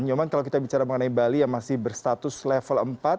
nyoman kalau kita bicara mengenai bali yang masih berstatus level empat